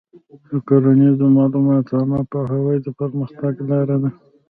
د کرنیزو معلوماتو عامه پوهاوی د پرمختګ لاره ده.